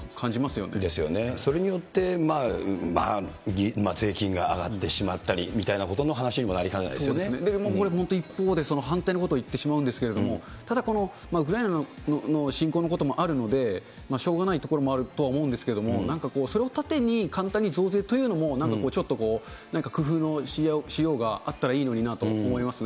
それによって税金が上がってしまったり、みたいなことの話にもな一方でこれ反対のことを言ってしまうんですけれども、ただウクライナ侵攻のこともあるので、しょうがないところもあるとは思うんですけれども、なんかこう、それを盾に簡単に増税というのも、なんかちょっと工夫のしようがあったらいいのになと思いますね。